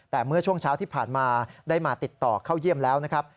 แต่เมื่อช่วงเช้าที่ผ่านมาได้มาติดต่อเข้าเยี่ยมแล้วนะครับ